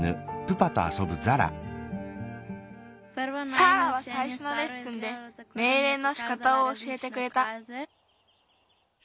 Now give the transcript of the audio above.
サーラはさいしょのレッスンでめいれいのしかたをおしえてくれた。